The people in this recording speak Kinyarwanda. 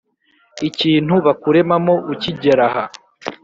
ikintu bakuremamo ukigeraha